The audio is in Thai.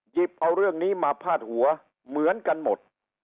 หยิบเอาเรื่องนี้มาพาดหัวเหมือนกันหมด